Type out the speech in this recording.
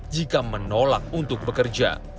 jika menolak untuk bekerja